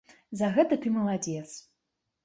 За гэта ты маладзец!